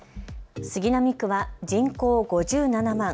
杉並区は人口５７万。